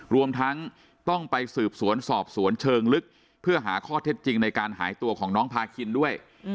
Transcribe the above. รวมทั้งต้องไปสืบสวนสอบสวนเชิงลึกเพื่อหาข้อเท็จจริงในการหายตัวของน้องพาคินด้วย